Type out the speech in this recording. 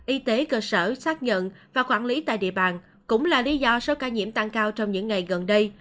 y tế cơ sở xác nhận và quản lý tại địa bàn cũng là lý do số ca nhiễm tăng cao trong những ngày gần đây